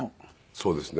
そうですね。